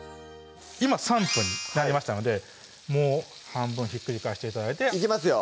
今３分になりましたのでもう半分ひっくり返して頂いていきますよ